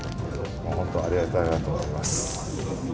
本当にありがたいなと思います。